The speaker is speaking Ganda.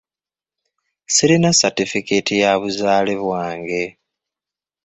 Sirina satifikeeti ya buzaale bwange.